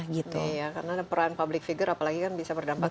karena ada peran public figure apalagi kan bisa berdampak